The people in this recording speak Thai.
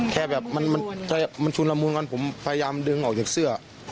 แค่แบบมันชุนละมุนกันผมพยายามดึงออกจากเสื้อ